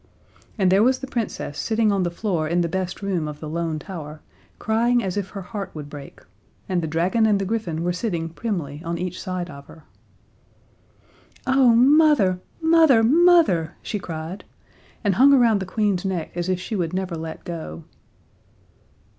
And there was the Princess sitting on the floor in the best room of the Lone Tower, crying as if her heart would break, and the dragon and the griffin were sitting primly on each side of her. "Oh, Mother, Mother, Mother," she cried, and hung around the Queen's neck as if she would never let go.